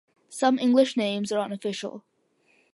Some English names are unofficial.